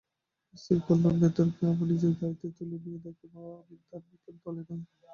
স্থির করলুম, মেথরকে আমার নিজের গাড়িতে তুলে নিয়ে দেখাব আমি ধার্মিকদের দলে নই।